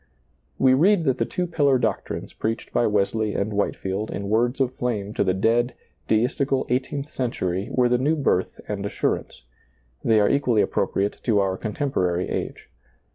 We read that the two pillar doctrines preached by Wesley and Whiteiield in words of flame to the dead, deistical eighteenth century were the new birth and assurance ; they are equally appropriate to our contemporary age.